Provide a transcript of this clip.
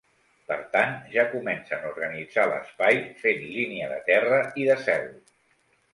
Per tant, ja comencen a organitzar l'espai fent línia de terra i de cel.